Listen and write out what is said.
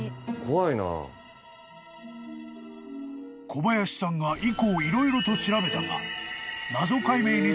［小林さんが以降色々と調べたが］